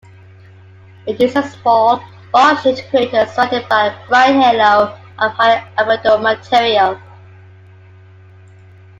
It is a small, bowl-shaped crater surrounded by a bright halo of higher-albedo material.